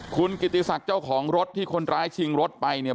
คุณกิติศักดิ์เจ้าของรถที่คนร้ายชิงรถไปเนี่ย